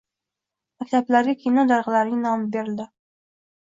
Maktablarga kino darg‘alarining nomi berildi